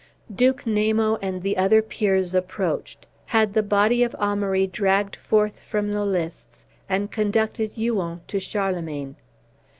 Duke Namo and the other peers approached, had the body of Amaury dragged forth from the lists, and conducted Huon to Charlemagne.